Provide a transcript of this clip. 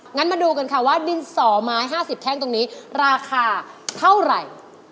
มาดูกันค่ะว่าดินสอไม้๕๐แท่งตรงนี้ราคาเท่าไหร่